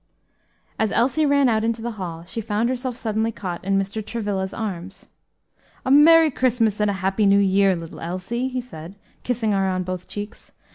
As Elsie ran out into the hall, she found herself suddenly caught in Mr. Travilla's arms. "'A merry Christmas and a happy New Year!' little Elsie," he said, kissing her on both cheeks.